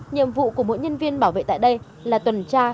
nhiệm vụ của mỗi nhân viên bảo vệ tại đây là tuần tra